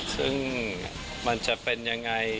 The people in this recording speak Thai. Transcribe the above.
ซึ่งมันจะเป็นยังไง